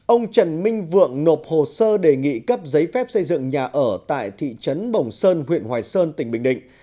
ông trần minh vượng nộp hồ sơ đề nghị cấp giấy phép xây dựng nhà ở tại thị trấn bồng sơn huyện hoài sơn tỉnh bình định